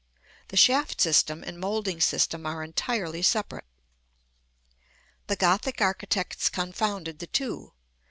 The shaft system and moulding system are entirely separate. The Gothic architects confounded the two.